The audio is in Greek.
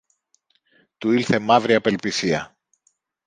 Του ήλθε μαύρη απελπισία.